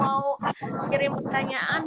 mau kirim pertanyaan